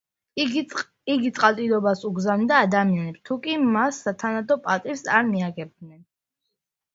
იგი წყალდიდობას უგზავნიდა ადამიანებს, თუკი მას სათანადო პატივს არ მიაგებდნენ.